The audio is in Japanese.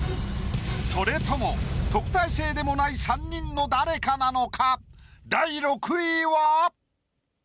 それとも特待生でもない３人の誰かなのか？